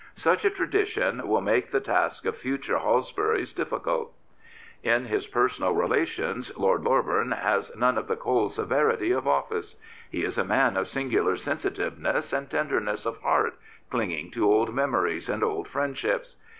Such a tradition will make the task of future Halsburys difficult. In his personal relations Lord Loreburn has none of the cold severity of office. He is a man of singular sensitiveness and tenderness of heart, clinging to old memories and old friendships.